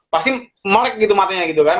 pasti melek gitu matanya gitu kan